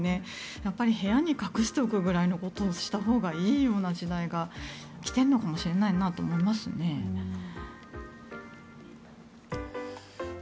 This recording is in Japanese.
やっぱり部屋に隠しておくぐらいのことをしたほうがいいような時代が来ているのかもしれないなと思いますね。